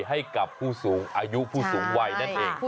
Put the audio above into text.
ให้กับผู้สูงอายุผู้สูงวัยนั่นเองพี่ถามได้ไหม